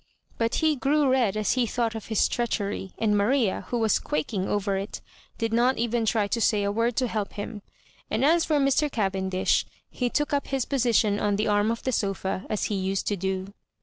But he grew red as he thought of his treachery, and Maria, who was quaking over it, did not even try to say a word to help him — and as for Mr. Cavendish, he took up his position on the arm of the sofa, as he used to do.